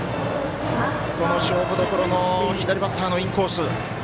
この勝負どころの左バッターのインコース。